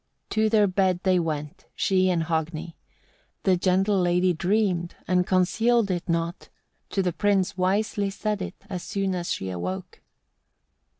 10. To their bed they went, she and Hogni. The gentle lady dreamed, and concealed it not, to the prince wisely said it as soon as she awoke.